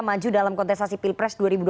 maju dalam kontestasi pilpres dua ribu dua puluh